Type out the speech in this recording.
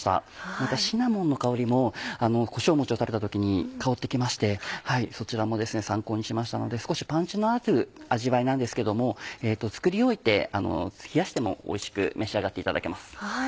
またシナモンの香りもこしょうもちを食べた時に香って来ましてそちらも参考にしましたので少しパンチのある味わいなんですけども作り置いて冷やしてもおいしく召し上がっていただけます。